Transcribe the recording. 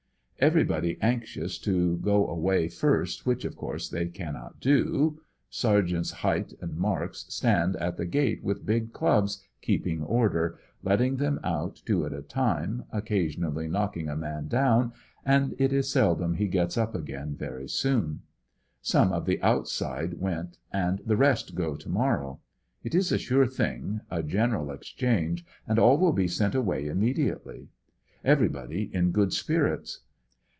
Everybody anxious to go away first which 22 ANBEBBONYILLE JDIAET. of course they cannot do. Sergts . Hight and Marks stand at the gate with big clubs keeping order, letting them out two at a time, occasionally knocking a man down and it is seldom he gets up again very soon. Some of the outside went and the rest go to mor row. It is a sure thing — a general exchange and all will be sent aw^ay immediately. Everybody in good spirits.